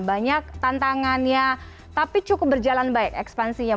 banyak tantangannya tapi cukup berjalan baik ekspansinya